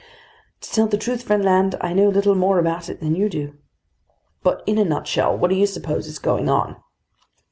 "To tell the truth, friend Land, I know little more about it than you do." "But in a nutshell, what do you suppose is going on?"